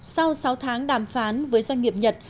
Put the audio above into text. sau sáu tháng đàm phán với doanh nghiệp nhật